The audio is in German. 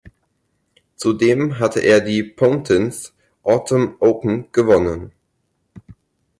Zudem hatte er die Pontins Autumn Open gewonnen.